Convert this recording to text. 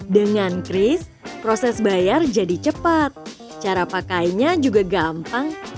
dengan cris proses bayar jadi cepat cara pakainya juga gampang